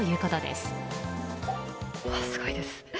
すごいです。